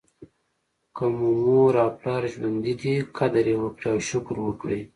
که مو مور او پلار ژوندي دي قدر یې وکړئ او شکر وکړئ.